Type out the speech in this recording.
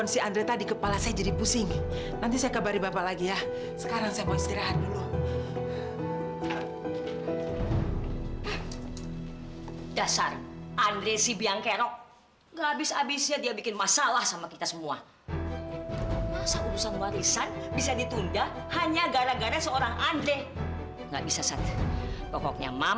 sampai jumpa di video selanjutnya